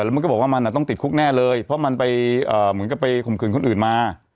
แล้วมันก็บอกว่ามันต้องติดคุกแน่เลยเพราะมันไปเหมือนกับไปข่มขืนคนอื่นมา